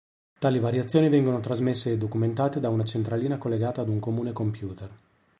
Tali variazioni vengono trasmesse e documentate da una centralina collegata ad un comune computer.